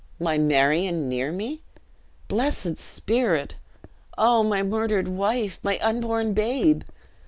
"My Marion near me! Blessed spirit! Oh, my murdered wife! my unborn babe!